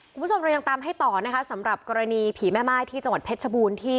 คุณผู้ชมเรายังตามให้ต่อนะคะสำหรับกรณีผีแม่ม่ายที่จังหวัดเพชรชบูรณ์ที่